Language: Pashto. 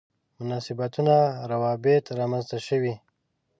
مناسبتونه روابط رامنځته شوي.